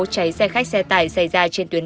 cháy xe khách xe tải xây ra trên tuyến